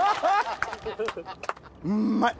うまい！